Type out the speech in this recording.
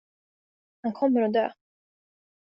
Han kommer att dö.